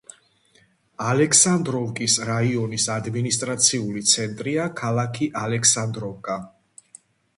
ალექსანდროვკის რაიონის ადმინისტრაციული ცენტრია ქალაქი ალექსანდროვკა.